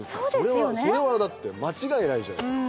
それは間違いないじゃないですか。